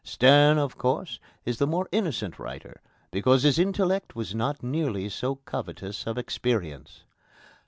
Sterne, of course, is the more innocent writer, because his intellect was not nearly so covetous of experience.